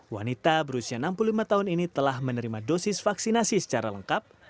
wanita berusia enam puluh lima tahun ini telah menerima dosis vaksinasi secara lengkap